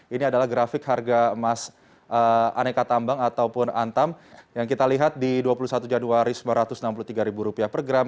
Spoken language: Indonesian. ini adalah grafik harga emas aneka tambang ataupun antam yang kita lihat di dua puluh satu januari rp sembilan ratus enam puluh tiga per gram